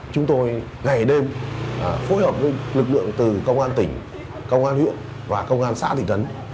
chúng tôi ngày đêm phối hợp với lực lượng từ công an tỉnh công an huyện và công an xã thị trấn